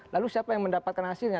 lalu siapa yang mendapatkan hasilnya